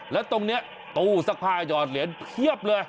แล้วตรงนี้ตู้ซักผ้าหยอดเหรียญเพียบเลย